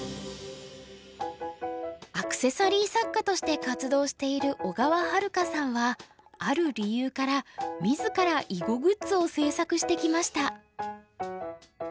アクセサリー作家として活動している小川春佳さんはある理由から自ら囲碁グッズを制作してきました。